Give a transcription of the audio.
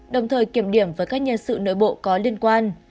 đồng thời kiểm điểm với các nhân sự nội bộ có liên quan